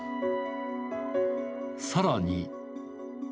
さらに。